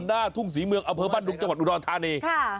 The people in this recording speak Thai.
หน้าทุ่งศรีเมืองอำเภอบ้านดุงจังหวัดอุดรธานี